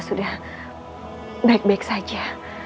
sudah baik baik saja